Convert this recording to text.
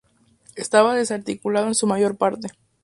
Estaba desarticulado en su mayor parte.